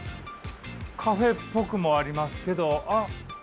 カフェっぽくもありますけどあっ！